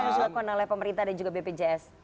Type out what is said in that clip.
yang harus dilakukan oleh pemerintah dan juga bpjs